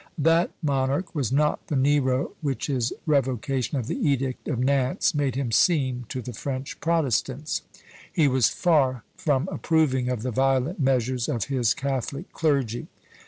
That monarch was not the Nero which his revocation of the edict of Nantes made him seem to the French protestants. He was far from approving of the violent measures of his catholic clergy.